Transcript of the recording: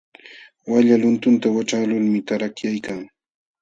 Walla luntunta waćhaqlulmi tarakyaykan.